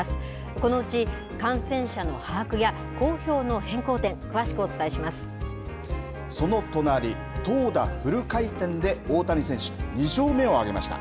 このうち、感染者の把握や公表のその隣、投打フル回転で、大谷選手２勝目を挙げました。